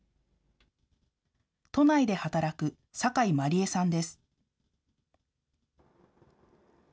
都内で働く坂井万理恵さんです。